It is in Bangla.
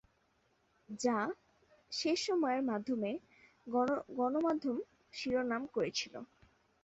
যা; সেসময়ের সকল গণমাধ্যম শিরোনাম করেছিল।